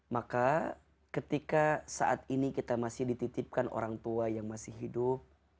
maka ketika saat ini kita masih dititipkan orang tua yang masih hidup